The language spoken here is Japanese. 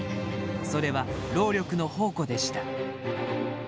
それは労力の宝庫でした。